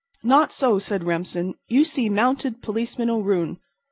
"Not so," said Remsen. "You see Mounted Policeman O'Roon.